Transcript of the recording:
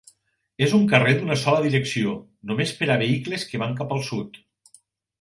És un carrer d'una sola direcció només per a vehicles que van cap el sud.